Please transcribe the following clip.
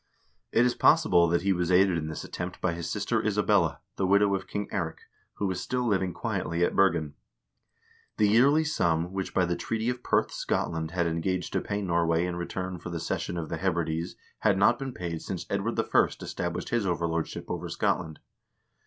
It is possible that he was aided in this attempt by his sister Isabella, the widow of King Eirik, who was still living quietly at Bergen. The yearly sum which, by the treaty of Perth, Scotland had engaged to pay Norway in return for the cession of the Hebrides had not been paid since Edward I. established his overlordship over Scotland.